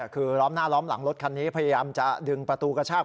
คือล้อมหน้าล้อมหลังรถคันนี้พยายามจะดึงประตูกระชาก